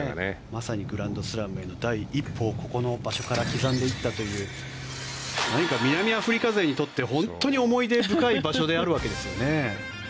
まさにグランドスラムへの第一歩をここの場所から刻んでいったという何か南アフリカ勢にとって本当に思い出深い場所であるわけですよね。